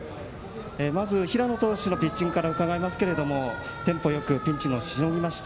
まず平野投手のピッチングから伺いますがテンポよくピンチもしのぎました。